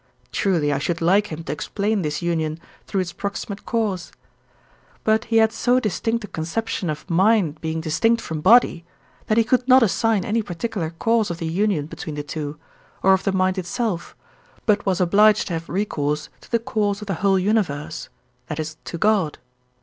Truly I should like him to explain this union through its proximate cause. But he had so distinct a conception of mind being distinct from body, that he could not assign any particular cause of the union between the two, or of the mind itself, but was obliged to have recourse to the cause of the whole universe, that is to God.